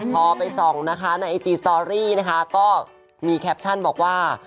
พอไปส่องนะคะในไอจีสตอรี่นะคะก็มีแคปชั่นบอกว่า